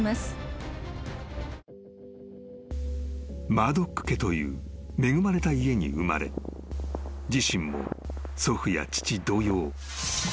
［マードック家という恵まれた家に生まれ自身も祖父や父同様］